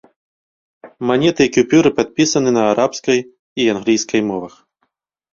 Манеты і купюры падпісаны на арабскай і англійскай мовах.